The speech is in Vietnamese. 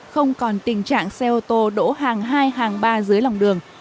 không còn tình trạng xe ô tô đỗ hàng hai hàng ba dưới lòng đường